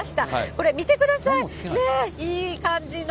これ、見てください、ねえ、いい感じの。